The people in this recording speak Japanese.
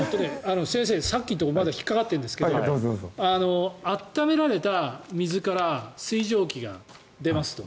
先生、さっきのところまだ引っかかってるんですが暖められた水から水蒸気が出ますと。